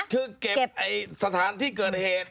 คือเก็บสถานที่เกิดเหตุ